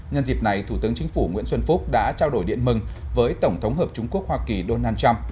nhân dịp này thủ tướng chính phủ nguyễn xuân phúc đã trao đổi điện mừng với tổng thống hợp chúng quốc hoa kỳ donald trump